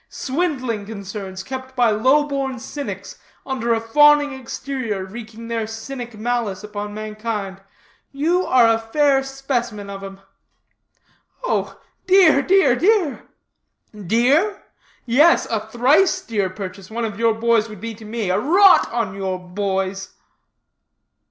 Swindling concerns kept by low born cynics, under a fawning exterior wreaking their cynic malice upon mankind. You are a fair specimen of 'em." "Oh dear, dear, dear!" "Dear? Yes, a thrice dear purchase one of your boys would be to me. A rot on your boys!"